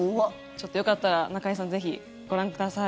ちょっと、よかったら中居さん、ぜひご覧ください。